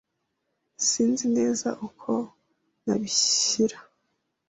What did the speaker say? Sinzi neza uko nabishyira.